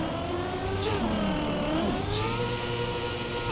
Çkar mutu va giçkini?